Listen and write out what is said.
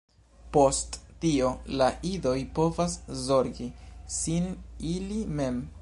Post tio, la idoj povas zorgi sin ili mem.